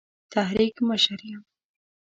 تحریک مشر یم.